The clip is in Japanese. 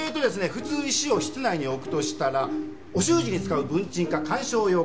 普通石を室内に置くとしたらお習字に使う文鎮か観賞用か。